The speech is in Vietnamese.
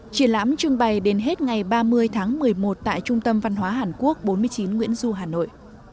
triển lãm trưng bày đến hết ngày ba mươi tháng một mươi một tại trung tâm văn hóa hàn quốc bốn mươi chín nguyễn du hà nội